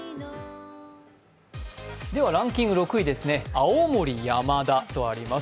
ランキング６位ですね、青森山田とあります。